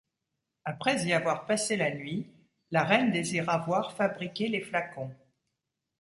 Après y avoir passé la nuit, la reine désira voir fabriquer les flacons.